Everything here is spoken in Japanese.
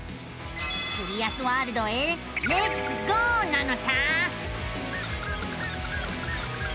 キュリアスワールドへレッツゴーなのさあ。